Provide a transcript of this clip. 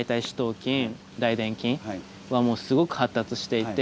筋大臀筋はもうすごく発達していて。